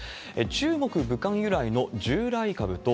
中国・武漢由来の従来株と、